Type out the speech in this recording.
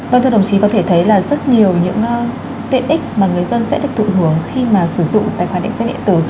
vâng thưa đồng chí có thể thấy là rất nhiều những tiện ích mà người dân sẽ được thụ hưởng khi mà sử dụng tài khoản định danh điện tử